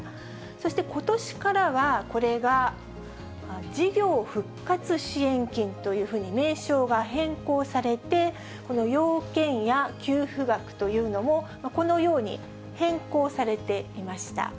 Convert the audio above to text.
そしてことしからは、これが事業復活支援金というふうに名称が変更されて、この要件や給付額というのも、このように変更されていました。